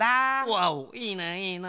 ワオいいないいな。